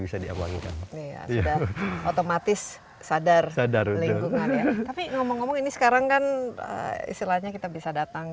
bisa diamankan otomatis sadar sadar ini sekarang kan istilahnya kita bisa datang